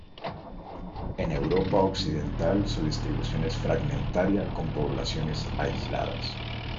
En Europa occidental su distribución es fragmentaria, con poblaciones aisladas.